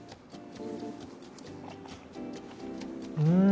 うん！